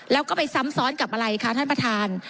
แล้วก็ไปซ้ำซ้อนกับอะไรคะท่านประธาน